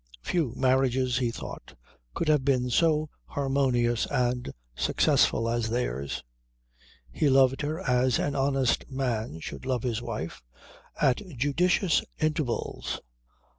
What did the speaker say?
Few marriages, he thought, could have been so harmonious and successful as theirs. He loved her as an honest man should love his wife at judicious intervals.